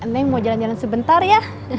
neng mau jalan jalan sebentar ya